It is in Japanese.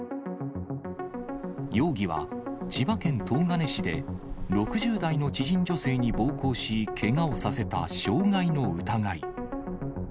容疑は千葉県東金市で、６０代の知人女性に暴行し、けがをさせた傷害の疑い。